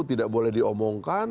tidak boleh diomongkan